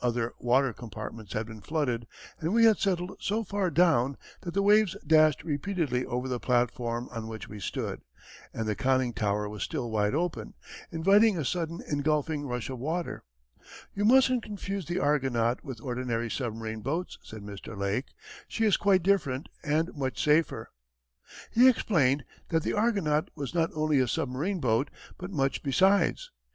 Other water compartments had been flooded, and we had settled so far down that the waves dashed repeatedly over the platform on which we stood and the conning tower was still wide open, inviting a sudden engulfing rush of water. "You mustn't confuse the Argonaut with ordinary submarine boats," said Mr. Lake. "She is quite different and much safer." [Illustration: © U. & U. For Anti Aircraft Service.] He explained that the Argonaut was not only a submarine boat, but much besides.